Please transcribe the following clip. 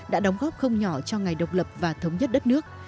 đã đóng góp không nhỏ cho ngày độc lập và thống nhất đất nước